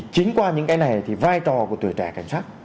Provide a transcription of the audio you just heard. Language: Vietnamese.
chính qua những cái này thì vai trò của tuổi trẻ cảnh sát